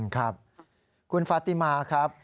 ครับคุณฟาติมาครับ